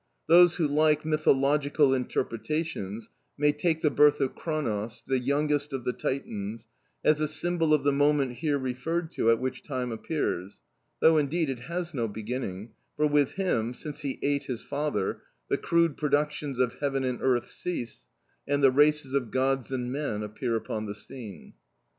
Those who like mythological interpretations may take the birth of Kronos (χρονος), the youngest of the Titans, as a symbol of the moment here referred to at which time appears, though, indeed it has no beginning; for with him, since he ate his father, the crude productions of heaven and earth cease, and the races of gods and men appear upon the scene.